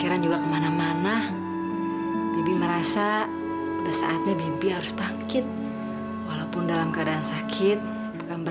kalau emang kamu bilang sama aku salah aku itu apa